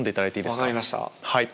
分かりました。